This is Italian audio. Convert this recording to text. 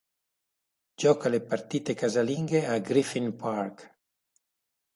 Gioca le partite casalinghe a Griffin Park.